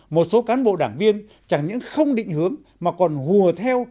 một số cán bộ đảng viên chẳng những không định hướng mà còn hùa theo